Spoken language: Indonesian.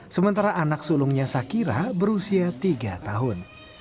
sementara anak sulungnya sakira berusia tiga tahun